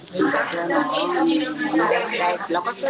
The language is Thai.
อยากให้สังคมรับรู้ด้วย